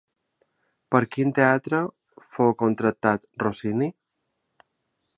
Per quin teatre fou contractat Rossini?